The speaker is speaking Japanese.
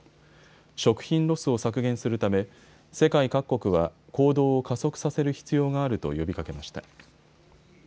食品ロスを削減するため世界各国は行動を加速させる必要があると呼びかけました。